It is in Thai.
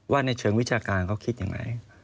ในเชิงวิชาการเขาคิดอย่างไร